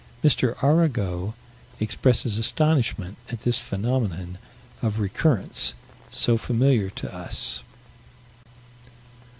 M. Arago expresses astonishment at this phenomenon of recurrence so familiar to us.